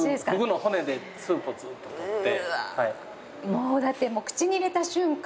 もうだって口に入れた瞬間